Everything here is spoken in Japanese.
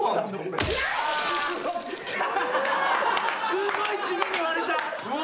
すごい地味に割れた。